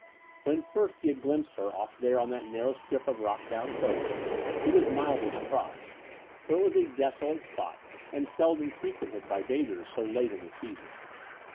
When first he had glimpsed her off there on that narrow strip of rock bound coast he was mildly surprised, for it was a desolate spot and seldom frequented by bathers so late in the season.